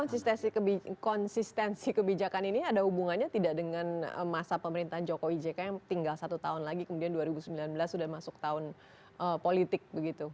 konsistensi kebijakan ini ada hubungannya tidak dengan masa pemerintahan jokowi jk yang tinggal satu tahun lagi kemudian dua ribu sembilan belas sudah masuk tahun politik begitu